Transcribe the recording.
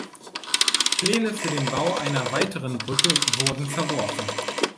Pläne für den Bau einer weiteren Brücke wurden verworfen.